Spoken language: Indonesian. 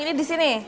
ini di sini